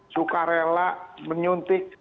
suka rela menyuntik